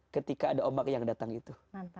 ketika ada ombak yang datang itu